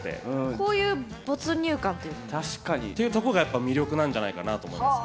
こういう没入感というか。というとこがやっぱ魅力なんじゃないかなと思いますね。